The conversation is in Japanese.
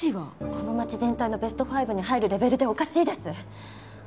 この町全体のベスト５に入るレベルでおかしいです。